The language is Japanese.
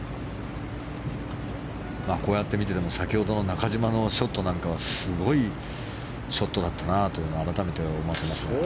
こうやって見ていても、先ほどの中島のショットなんかはすごいショットだったなと改めて思わせます。